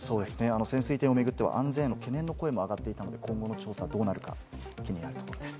潜水艇を巡っては安全への懸念の声も上がっていたので、今後の調査がどうなるか気になるところです。